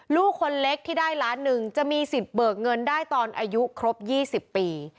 ลูกคนเล็กที่ได้ล้านหนึ่งจะมีสิทธิ์เบิกเงินได้ตอนอายุครบ๒๐ปี